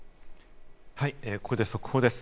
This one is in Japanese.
ここで速報です。